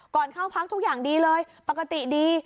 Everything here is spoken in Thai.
ก่อนเข้าพักทุกอย่างดีเลยปกติดี